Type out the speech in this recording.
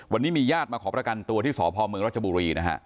วันนี้มีญาติมาขอประกันตัวที่สพรรจบุรี